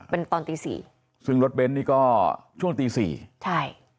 เป็นตอนตีสี่ซึ่งรถเบนท์นี่ก็ช่วงตีสี่ใช่